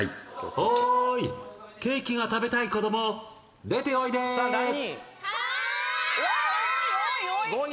おーいケーキが食べたい子ども出ておいでさあ何人？